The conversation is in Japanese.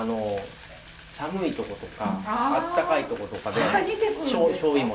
寒いとことかあったかいとことかでしょうゆも。